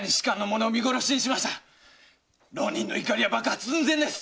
浪人の怒りは爆発寸前です！